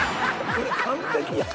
これ完璧や。